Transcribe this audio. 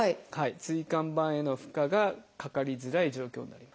椎間板への負荷がかかりづらい状況になります。